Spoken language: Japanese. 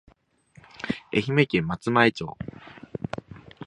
愛媛県松前町